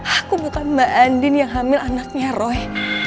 aku bukan mbak andin yang hamil anaknya roy